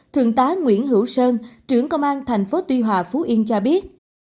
thượng tá nguyễn hữu sơn trưởng công an tp tuy hòa phú yên cho biết